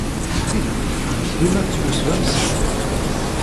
Ttxil-k, dima ttlusu amsegdal.